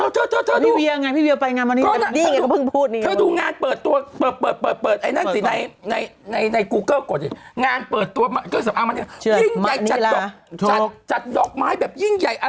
จัดอย่างไรพี่เบียอ่ะอย่างไรไปงานมานิรา